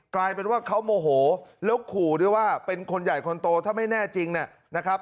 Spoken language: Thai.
กลายเป็นว่าเขาโมโหแล้วขู่ด้วยว่าเป็นคนใหญ่คนโตถ้าไม่แน่จริงนะครับ